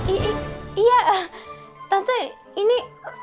iya eh tante ini